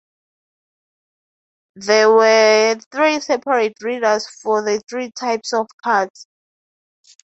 There were three separate readers for the three types of cards.